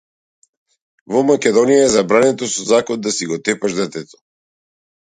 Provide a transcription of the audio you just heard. Во Македонија е забрането со закон да си го тепаш детето.